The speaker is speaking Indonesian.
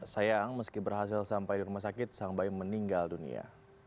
sayang meski berhasil sampai di rumah sakit sang bayi meninggal dunia